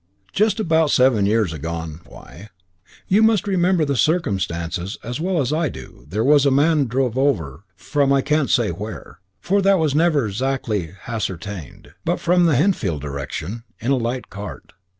"Just about seven years agone why, you must remember the circumstances as well as I do there was a man druv over from I can't say where, for that was never exact ly hascertained, but from the Henfield direction, in a light cart.